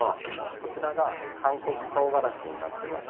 こちらが韓国唐辛子になってまして。